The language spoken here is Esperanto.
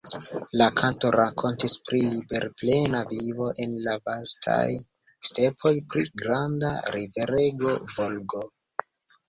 La kanto rakontis pri liberplena vivo en la vastaj stepoj, pri granda riverego Volgo.